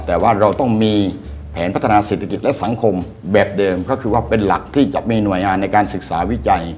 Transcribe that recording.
แต่ว่าเราต้องมีแผนพัฒนาเศรษฐกิจและสังคมแบบเดิมก็คือว่าเป็นหลักที่จะมีหน่วยงานในการศึกษาวิจัย